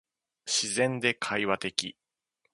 自然で会話的